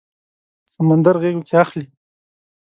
سمندر غیږو کې اخلي